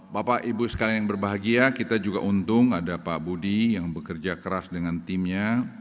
bapak ibu sekalian yang berbahagia kita juga untung ada pak budi yang bekerja keras dengan timnya